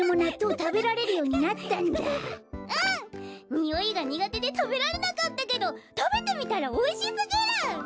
においがにがてでたべられなかったけどたべてみたらおいしすぎる！